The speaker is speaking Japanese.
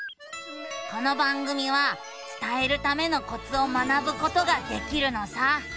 この番組は伝えるためのコツを学ぶことができるのさ。